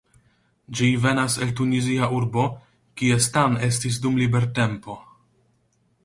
Ĝi venas el Tunizia urbo kie Stan estis dum libertempo.